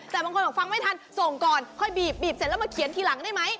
แต่บางคนบอกฟังไม่ทันส่งก่อนค่อยบีบเสร็จแล้วมาเขียนทีหลังได้ไหม